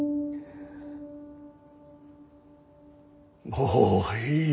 もういい。